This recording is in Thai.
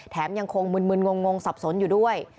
แถมยังคงมึนงงสับสนอยู่ด้วย